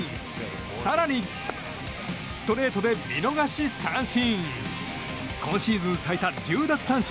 更にストレートで見逃し三振。